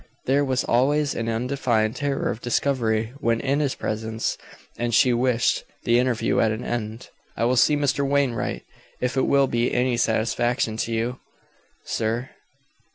There was always an undefined terror of discovery when in his presence, and she wished the interview at an end. "I will see Mr. Wainwright, if it will be any satisfaction to you, sir."